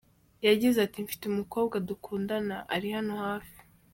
Yagize ati “mfite umukobwa dukundana ari hano hafi “.